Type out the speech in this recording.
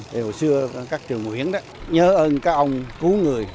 từ hồi xưa các trường nguyễn đó nhớ ơn các ông cứu người